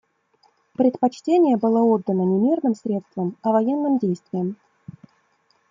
Предпочтение было отдано не мирным средствам, а военным действиям.